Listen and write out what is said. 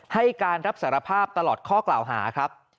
ให้การรับสารภาพตลอดข้อกล่าวหาครับ